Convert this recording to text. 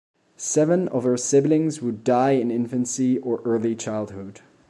Seven of her siblings would die in infancy or early childhood.